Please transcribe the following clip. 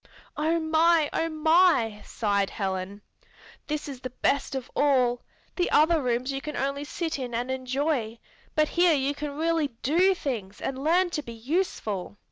"Oh my! Oh my!" sighed Helen. "This is the best of all! The other rooms you can only sit in and enjoy, but here you can really do things and learn to be useful."